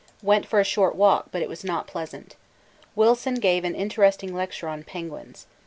Went for a short walk, but it was not pleasant. Wilson gave an interesting lecture on penguins.